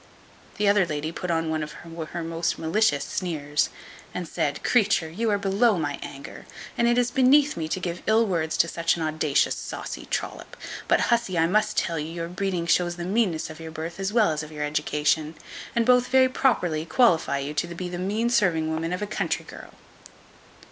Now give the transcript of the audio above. The other lady put on one of her most malicious sneers, and said, "Creature! you are below my anger; and it is beneath me to give ill words to such an audacious saucy trollop; but, hussy, I must tell you, your breeding shows the meanness of your birth as well as of your education; and both very properly qualify you to be the mean serving woman of a country girl."